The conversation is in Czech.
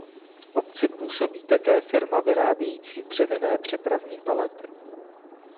V obci působí také firma vyrábějící dřevěné přepravní palety.